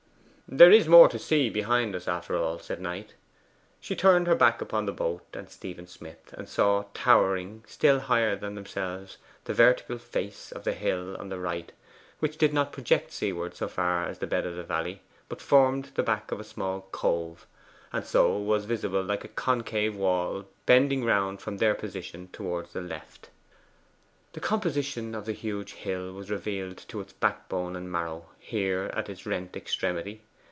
'There is more to see behind us, after all,' said Knight. She turned her back upon the boat and Stephen Smith, and saw, towering still higher than themselves, the vertical face of the hill on the right, which did not project seaward so far as the bed of the valley, but formed the back of a small cove, and so was visible like a concave wall, bending round from their position towards the left. The composition of the huge hill was revealed to its backbone and marrow here at its rent extremity.